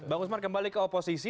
bang usman kembali ke oposisi